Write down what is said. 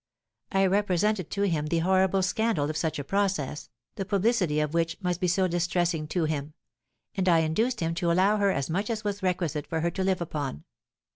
I represented to him the horrible scandal of such a process, the publicity of which must be so distressing to him; and I induced him to allow her as much as was requisite for her to live upon.